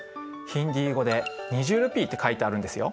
ヒンディー語で２０ルピーって書いてあるんですよ。